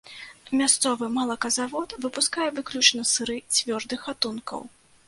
Мясцовы малаказавод выпускае выключна сыры цвёрдых гатункаў.